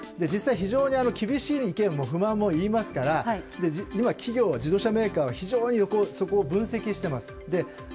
実際、非常に厳しい意見も不満も言いますから、今、企業は自動車メーカーは非常にそこを分析してます。